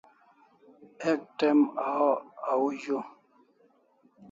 Ek te'm au zu